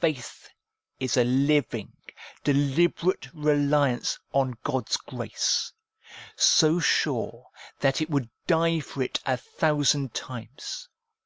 Faith is a living, deliberate reliance on God's grace, so sure, that it would die for it a thousand times.